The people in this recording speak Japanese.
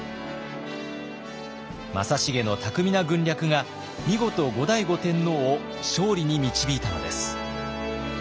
正成の巧みな軍略が見事後醍醐天皇を勝利に導いたのです。